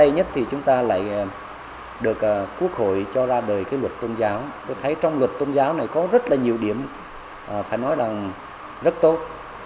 nhiều điểm phải nói rằng rất tốt